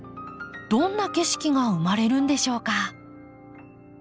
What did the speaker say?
どんな景色が生まれるんでしょうか？